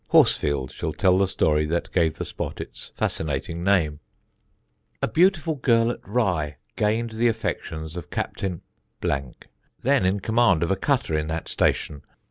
Horsfield shall tell the story that gave the spot its fascinating name: "A beautiful girl at Rye gained the affections of Captain , then in command of a cutter in that station.